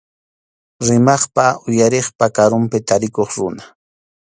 Rimaqpa uyariqpa karunpi tarikuq runa.